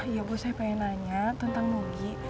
iya bu saya pengen nanya tentang nugi